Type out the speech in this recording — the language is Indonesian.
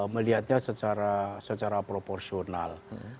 melihatnya secara proporsional